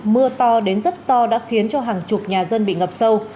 mưa to đến rất to đã khiến cho hàng chục nhà dân bị ngập sâu